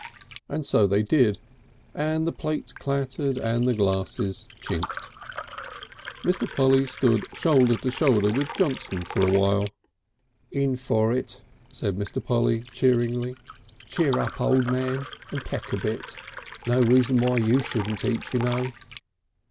So they did, and the plates clattered and the glasses chinked. Mr. Polly stood shoulder to shoulder with Johnson for a moment. "In for it," said Mr. Polly cheeringly. "Cheer up, O' Man, and peck a bit. No reason why you shouldn't eat, you know."